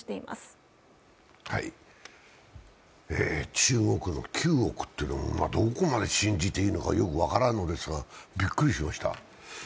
中国の９億というのはどこまで信じていいのか分からんですがびっくりしました。